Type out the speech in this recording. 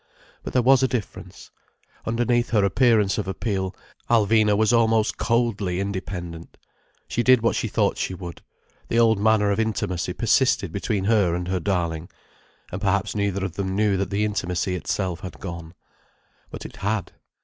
But there was a difference. Underneath her appearance of appeal, Alvina was almost coldly independent. She did what she thought she would. The old manner of intimacy persisted between her and her darling. And perhaps neither of them knew that the intimacy itself had gone. But it had.